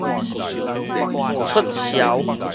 出潲